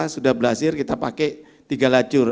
sudah berhasil kita pakai tiga lacur